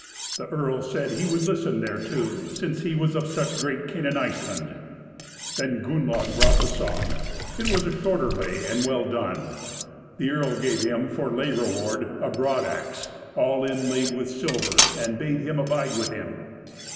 The earl said he would listen thereto, since he was of such great kin in Iceland. Then Gunnlaug brought the song; it was a shorter lay, and well done. The earl gave him for lay reward a broad axe, all inlaid with silver, and bade him abide with him.